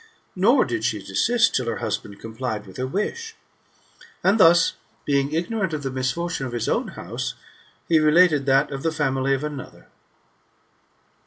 Nor did she desist, till her husband complied with her wirii. And thus, being ignorant of the misfortune of his own house, he related that ^ the family of another.